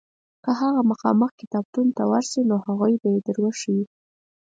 که هغه مخامخ کتابتون ته ورشې نو هغوی به یې در وښیي.